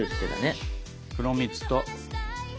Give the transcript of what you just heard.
黒蜜と。